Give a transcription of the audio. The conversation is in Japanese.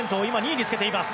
２位につけています。